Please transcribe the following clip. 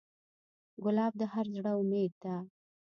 ګلاب د هر زړه امید ده.